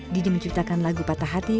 didi menceritakan lagu patah hati